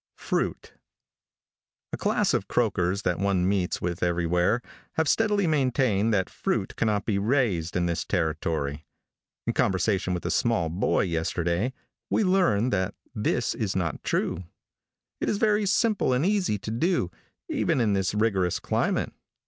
FRUIT. |A CLASS of croakers that one meets with everywhere, have steadily maintained that fruit cannot be raised in this Territory. In conversation with a small boy yesterday, we learned that this is not true. It is very simple and easy to do, even in this rigorous climate.